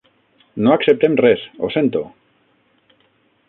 No acceptem res, ho sento.